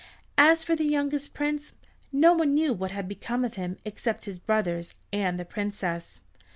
As for the youngest Prince no one knew what had become of him except his brothers and the Princess.